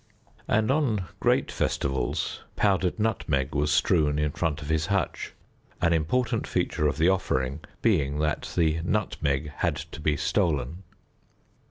And on great festivals powdered nutmeg was strewn in front of his hutch, an important feature of the offering being that the nutmeg had to be stolen.